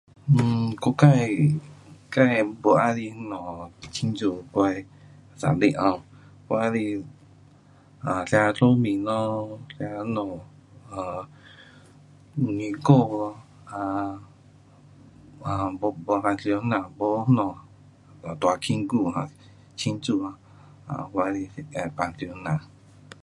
um 我自，自，不喜欢什么庆祝我的生日 um，我喜欢 um 吃寿面咯，吃那家 um 蛋糕，啊，um 不，平常那家没什么大庆祝，啊,我喜欢平常这样。